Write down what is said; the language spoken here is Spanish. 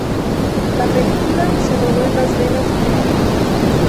La película se rodó en Las Vegas, Nevada.